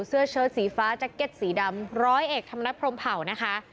เชิดสีฟ้าแจ็คเก็ตสีดำร้อยเอกธรรมนัฐพรมเผ่านะคะ